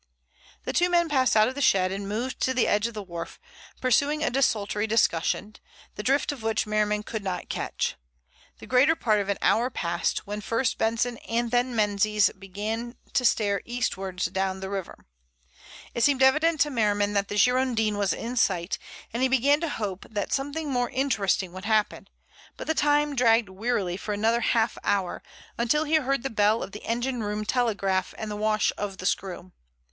The two men passed out of the shed and moved to the edge of the wharf, pursuing a desultory discussion, the drift of which Merriman could not catch. The greater part of an hour passed, when first Benson and then Menzies began to stare eastwards down the river. It seemed evident to Merriman that the Girondin was in sight, and he began to hope that something more interesting would happen. But the time dragged wearily for another half hour, until he heard the bell of the engine room telegraph and the wash of the screw.